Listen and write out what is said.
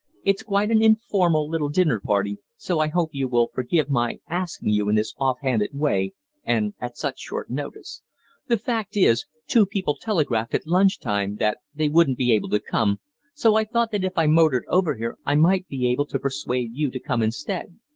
It's quite an informal little dinner party, so I hope you will forgive my asking you in this offhanded way and at such short notice. The fact is, two people telegraphed at lunch time that they wouldn't be able to come, so I thought that if I motored over here I might be able to persuade you to come instead.